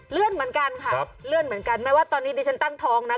เลื่อนเหมือนกันค่ะไม่ว่าตอนนี้ดิฉันตั้งท้องนะ